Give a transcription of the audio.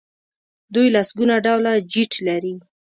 دوی لسګونه ډوله جیټ لري.